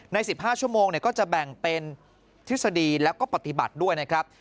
ใน๑๕ชั่วโมงก็จะแบ่งเป็นทฤษฎีแล้วก็ปฏิบัติด้วยนะครับ